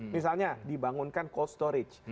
misalnya dibangunkan cold storage